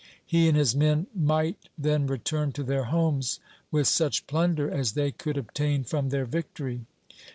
He and his men might then return to their homes with such plunder as they could obtain from their victory.